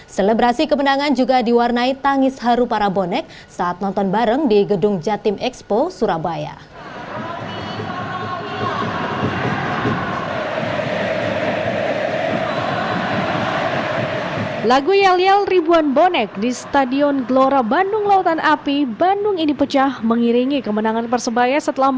selebrasi kemenangan juga diwarnai tangis haru para bonek saat nonton bareng di gedung jatim expo surabaya